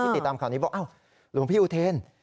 ได้ติดตามข้าวนี้บอกว่าหลวงพี่อุเทน